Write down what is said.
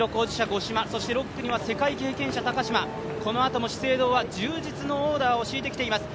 五島６区には世界経験者の高島、このあとも資生堂は充実のオーダーを敷いてきています。